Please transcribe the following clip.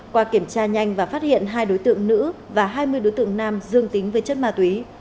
qua kiểm tra nhanh và phát hiện hai đối tượng nữ và hai mươi đối tượng nam dương tính với chất ma túy